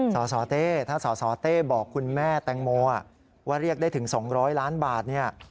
สสเต้ถ้าสสเต้บอกคุณแม่แตงโมว่าเรียกได้ถึง๒๐๐ล้านบาทเนี่ย